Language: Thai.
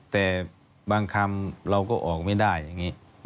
แต่บางคำเราก็ออกไม่ได้